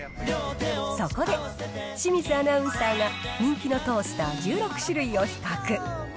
そこで、清水アナウンサーが、人気のトースター１６種類を比較。